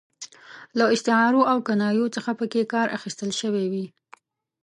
له استعارو او کنایو څخه پکې کار اخیستل شوی وي.